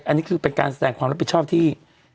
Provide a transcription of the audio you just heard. อันนี้คือเป็นการแสดงความรับผิดชอบที่